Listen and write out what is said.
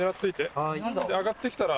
上がってきたら。